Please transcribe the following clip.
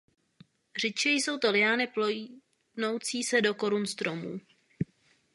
Řidčeji jsou to liány pnoucí se do korun stromů.